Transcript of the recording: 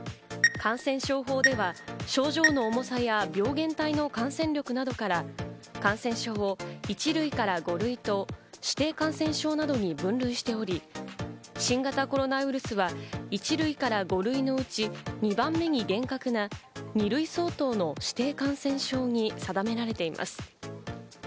感染症法では症状の重さや病原体の感染力などから、感染症を１類から５類と、指定感染症などに分類しており、新型コロナウイルスは１類から５類のうち２番目に厳格な２類相当の指定感染症に定められています。